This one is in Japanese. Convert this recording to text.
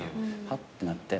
はっ？ってなって。